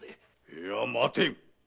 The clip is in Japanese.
いや待てん！